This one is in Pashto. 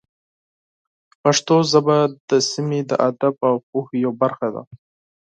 پښتو ژبه د سیمې د ادب او پوهې یوه برخه ده.